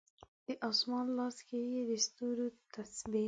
د اسمان لاس کې یې د ستورو تسبې